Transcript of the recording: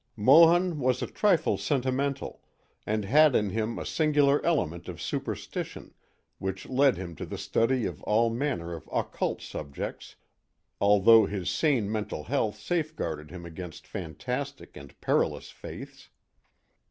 Mohun was a trifle sentimental, and had in him a singular element of superstition, which led him to the study of all manner of occult subjects, although his sane mental health safeguarded him against fantastic and perilous faiths.